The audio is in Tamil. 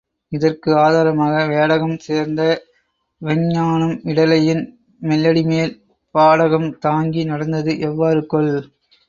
இதற்கு ஆதாரமாக, வேடகம் சேர்ந்த வெங்கானம் விடலைபின் மெல்லடிமேல் பாடகம் தாங்கி நடந்தது எவ்வாறு கொல்?